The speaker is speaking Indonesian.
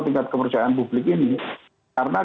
tingkat kepercayaan publik ini karena